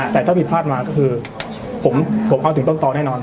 แต่ถ้าผิดพลาดมาก็คือผมเข้าถึงต้นตอนแน่นอน